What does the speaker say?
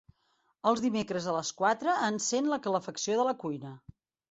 Els dimecres a les quatre encèn la calefacció de la cuina.